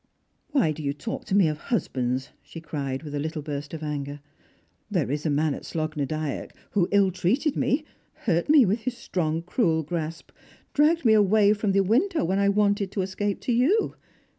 " Why do you talk to me of husbands !" she cried, with a little burst of anger. " There is a man at Slogh na Dyack who ill treated me, hurt me with his strong cruel grasjD, dragged me away from the window when I wanted to escajDC to you.